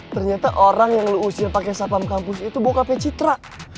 ternyata orang yang lo usir pake sapam kampus itu boka pecitra